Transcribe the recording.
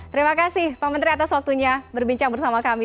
terima kasih pak menteri atas waktunya berbincang bersama kami